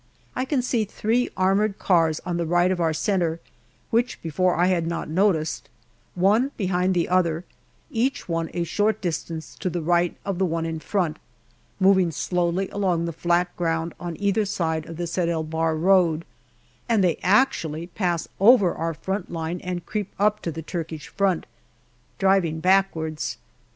I can see three armoured cars on the right of our centre, which before I had not noticed, one behind the other, each one a short distance to the right of the one in front, moving slowly along the flat ground on either side of the Sed el Bahr road, and they actually pass over our front line and creep up to the Turkish front, driving backwards.